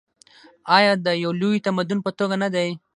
آیا د یو لوی تمدن په توګه نه دی؟